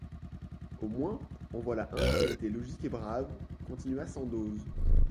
Au moins, en voilà un qui a été logique et brave, continua Sandoz.